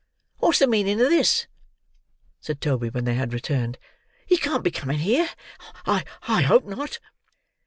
"What's the meaning of this?" said Toby when they had returned. "He can't be coming here. I—I—hope not."